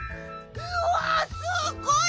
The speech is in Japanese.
うわすっごい！